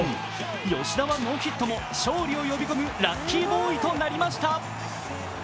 吉田はノーヒットも、勝利を呼び込むラッキーボーイとなりました。